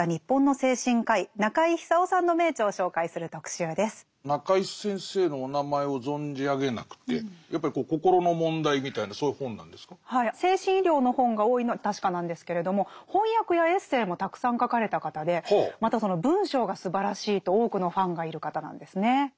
精神医療の本が多いのは確かなんですけれども翻訳やエッセーもたくさん書かれた方でまたその文章がすばらしいと多くのファンがいる方なんですね。